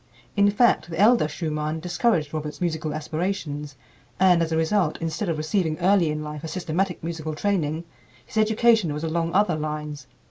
In fact, the elder Schumann discouraged Robert's musical aspirations; and as a result, instead of receiving early in life a systematic musical training, his education was along other lines.